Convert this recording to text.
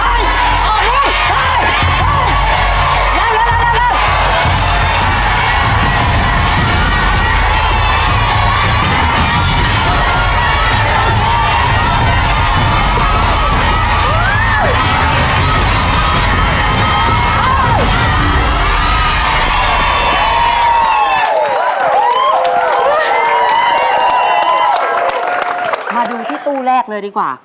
เฮ้ยออกดีกว่า